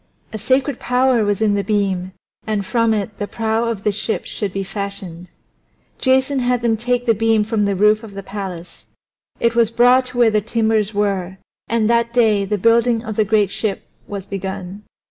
A sacred power was in the beam, and from it the prow of the ship should be fashioned. Jason had them take the beam from the roof of the palace; it was brought to where the timbers were, and that day the building of the great ship was begun.